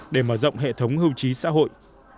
để mở rộng hệ thống hưu trí xã hội